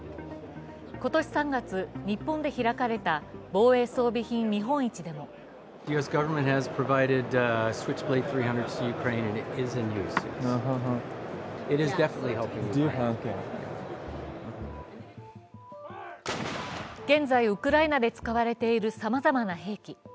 今年３月、日本で開かれた防衛装備品見本市でも現在、ウクライナで使われているさまざまな兵器。